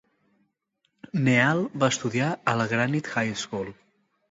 Neal va estudiar a la Granite High School.